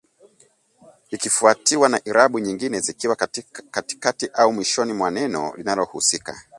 ikifuatiwa na irabu nyingine zikiwa katikati au mwishoni mwa neno linalohusika